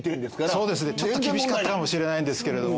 そうですねちょっと厳しかったかもしれないんですけれども。